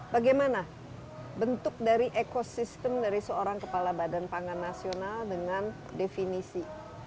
bagaimana bentuk dari ekosistem dari seorang kepala badan pangan nasional dengan definisi